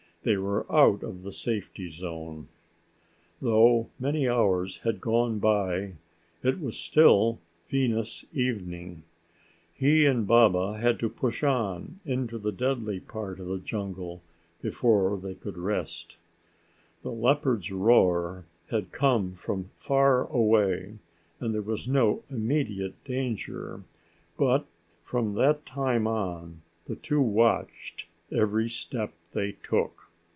They were out of the safety zone. Though many hours had gone by, it was still Venus evening. He and Baba had to push on into the deadly part of the jungle before they could rest. The leopard's roar had come from far away and there was no immediate danger, but from that time on the two watched every step they took.